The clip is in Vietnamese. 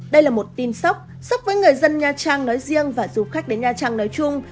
đây là một tin sóc sốc với người dân nha trang nói riêng và du khách đến nha trang nói chung